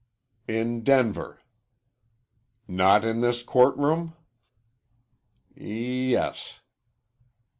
"In Denver." "Not in this court room?" "Yes."